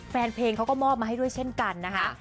แฟนเพลงเขาก็มอบมาให้ด้วยเช่นกันนะคะ